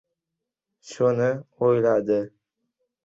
shuni o‘yladi.